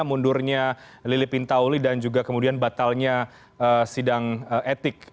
mundurnya lili pintauli dan juga kemudian batalnya sidang etik